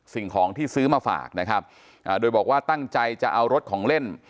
สิ่งของที่ซื้อมาฝากนะครับโดยบอกว่าตั้งใจจะเอารถของเล่น